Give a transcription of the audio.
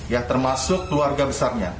ya termasuk keluarga besarnya